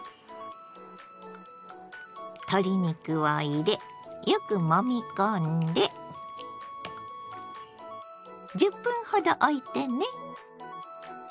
鶏肉を入れよくもみ込んで１０分ほどおいてね。